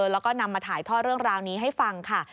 แล้วก็นำมาถ่ายทอดเรื่องราวนี้ให้ฟังค่ะ